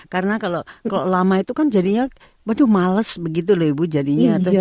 karena kalau lama itu kan jadinya malas begitu loh ibu jadinya